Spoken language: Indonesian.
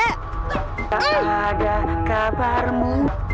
apa ada kabarmu